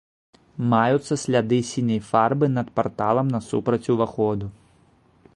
Маюцца сляды сіняй фарбы над парталам насупраць уваходу.